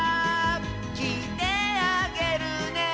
「きいてあげるね」